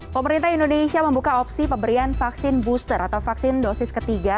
pemerintah indonesia membuka opsi pemberian vaksin booster atau vaksin dosis ketiga